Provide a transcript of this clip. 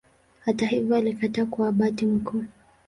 Hata hivyo alikataa kuwa Abati mkuu.